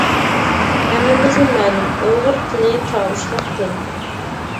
ھەممىمىزگە مەلۇم، ئۇيغۇر تىلى تاۋۇشلۇق تىل.